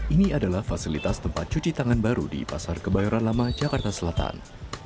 ini adalah fasilitas tempat cuci tangan baru di pasar kebayoran lama jakarta selatan